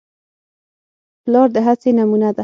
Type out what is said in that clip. پلار د هڅې نمونه ده.